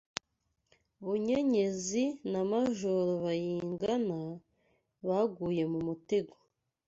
Bunyenyezi na Majoro Bayingana, baguye mu mutego